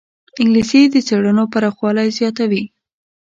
انګلیسي د څېړنو پراخوالی زیاتوي